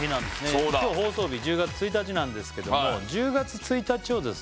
そうだ今日放送日１０月１日なんですけども１０月１日をですね